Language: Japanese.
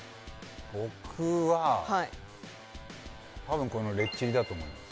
僕ははいたぶんこのレッチリだと思います